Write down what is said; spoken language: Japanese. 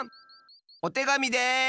おてがみです！